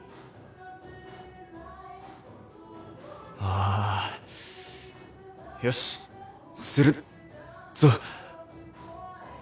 あよしするぞ！